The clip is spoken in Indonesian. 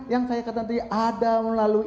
yang saya katakan tadi ada melalui